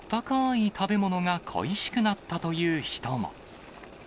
い食べ物が恋しくなったという人も。